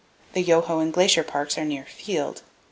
The Yoho and Glacier Parks are near Field.